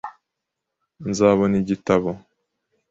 Nzabona igitabo .